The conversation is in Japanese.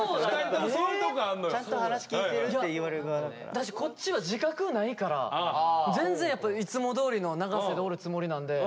だしこっちは自覚ないから全然やっぱいつもどおりの永瀬でおるつもりなんで。